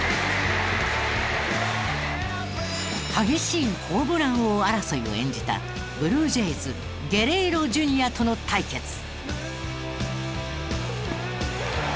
激しいホームラン王争いを演じたブルージェイズゲレーロＪｒ．との対決。